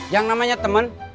yang namanya teman